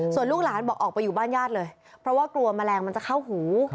ส่วนลูกหลานบอกออกไปอยู่บ้านญาติเลยเพราะว่ากลัวแมลงมันจะเข้าหู